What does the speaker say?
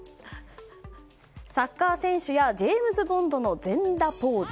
サッカー選手やジェームズ・ボンドの全裸ポーズ